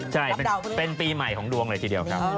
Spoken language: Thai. ใช่เป็นปีใหม่ของดวงเลยทีเดียวครับ